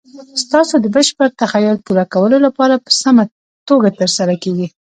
ستاسو د بشپړ تخیل پوره کولو لپاره په سمه توګه تر سره کیږي.